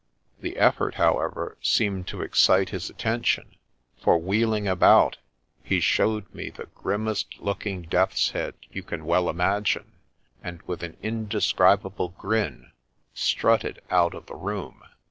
The effort, however, seemed to excite his attention ; for, wheeling about, he showed me the grimmest looking death's head you can well imagine, and with an indescribable grin strutted out of the room.'